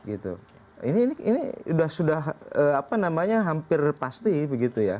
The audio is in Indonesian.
ini sudah hampir pasti begitu ya